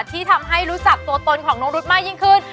ที่ทำให้รู้จักตัวตนของน้องรุ๊ดมากยิ่งขึ้น